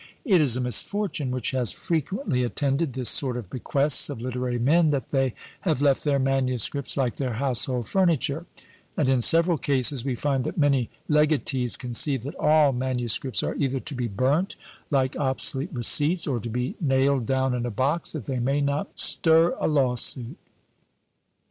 It is a misfortune which has frequently attended this sort of bequests of literary men, that they have left their manuscripts, like their household furniture; and in several cases we find that many legatees conceive that all manuscripts are either to be burnt, like obsolete receipts, or to be nailed down in a box, that they may not stir a lawsuit!